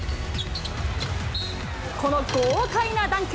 この豪快なダンク。